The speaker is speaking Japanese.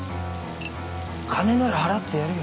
金なら払ってやるよ